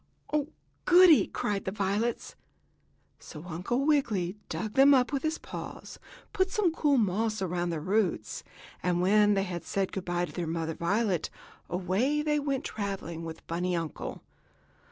"Oh, goodie!" cried the violets. So Uncle Wiggily dug them up with his paws, putting some cool moss around their roots, and when they had said good by to the mother violet away they went traveling with the bunny uncle.